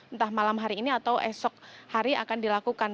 entah malam hari ini atau esok hari akan dilakukan